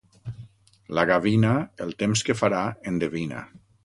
La gavina, el temps que farà, endevina.